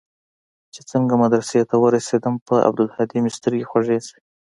چې څنگه مدرسې ته ورسېدم پر عبدالهادي مې سترګې خوږې سوې.